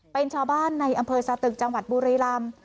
เป็นชาวบ้านในอำเภอสตึกจังหวัดบุรีรำ